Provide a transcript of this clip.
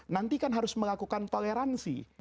nanti kan harus melakukan toleransi